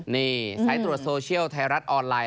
นี่สายตรวจโซเชียลไทยรัฐออนไลน